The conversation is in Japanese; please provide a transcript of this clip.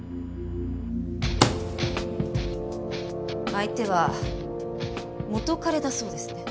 相手は元彼だそうですね。